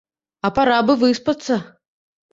А пара б і выспацца!